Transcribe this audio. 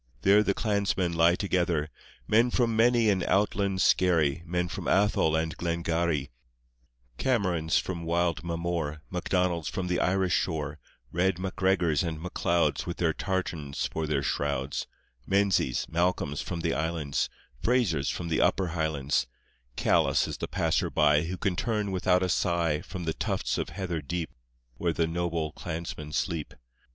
There the clansmen lie together — Men from many an outland skerry, Men from Athol and Glengarry, Camerons from wild Mamore, MacDonalds from the Irish Shore, Red MacGregors and McLeods With their tartans for their shrouds, Menzies, Malcolms from the islands, Frasers from the upper Highlands — Callous is the passer by Who can turn without a sigh From the tufts of heather deep Where the noble clansmen sleep.